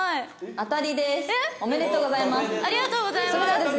ありがとうございます。